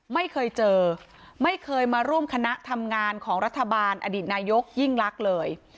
ไม่เคยเจอไม่เคยมาร่วมคณะทำงานของรัฐบาลอดีตนายกยิ่งลักษณ์เลย